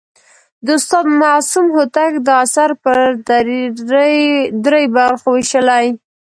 د استاد معصوم هوتک دا اثر پر درې برخو ویشلی.